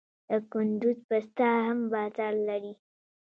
د کندز پسته هم بازار لري.